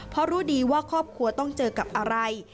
เพราะรู้ดีว่าครอบครัวต้องเจอกับอะไร